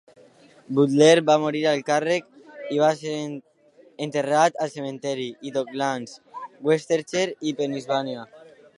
Butler va morir al càrrec i va ser enterrat al cementiri d'Oaklands, West Chester, Pennsilvània.